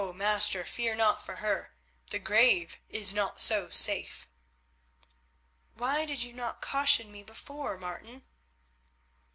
master, fear not for her, the grave is not so safe." "Why did you not caution me before, Martin?"